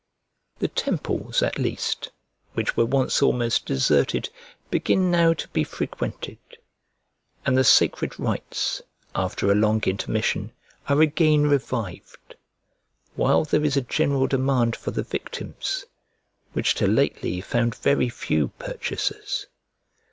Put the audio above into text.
The temples, at least, which were once almost deserted, begin now to be frequented; and the sacred rites, after a long intermission, are again revived; while there is a general demand for the victims, which till lately found very few purchasers.